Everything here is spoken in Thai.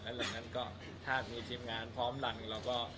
แล้วหลังนั้นก็ถ้ามีทีมงานพร้อมรันกันเราก็